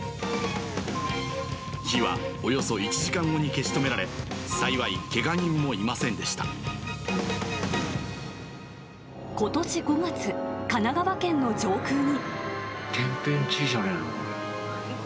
火はおよそ１時間後に消し止められ、ことし５月、神奈川県の上空に。